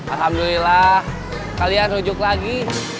alhamdulilah kalian hujuk lagi